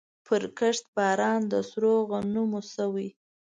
پرکښت باران د سرو غنمو شوی